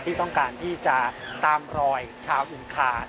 ที่ต้องการที่จะตามรอยชาวอินคา